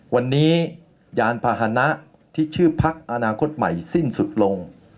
วันนี้ยานพาหนะที่ชื่อพักอนาคตใหม่สิ้นสุดลง